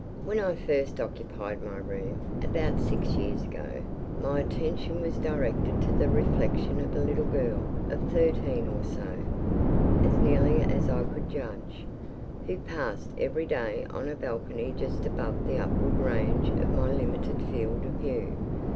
When I first occupied my room, about six years ago, my attention was directed to the reflection of a little girl of thirteen or so (as nearly as I could judge), who passed every day on a balcony just above the upward range of my limited field of view.